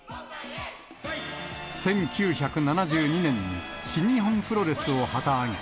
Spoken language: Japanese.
１９７２年に新日本プロレスを旗揚げ。